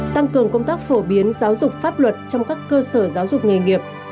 tăng cường công tác phổ biến giáo dục pháp luật trong các cơ sở giáo dục nghề nghiệp